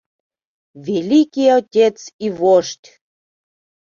«ВЕЛИКИЙ ОТЕЦ И ВОЖДЬ!